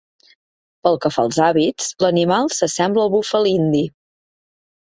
Pel que fa als hàbits, l'animal s'assembla al búfal indi.